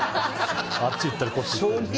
あっち行ったりこっち行ったり。